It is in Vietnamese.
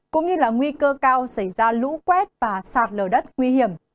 cũng như là nguy cơ cao xảy ra lũ quét và sạt lở đất nguy hiểm